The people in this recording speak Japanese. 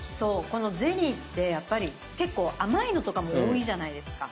このゼリーってやっぱり結構甘いのとかも多いじゃないですか。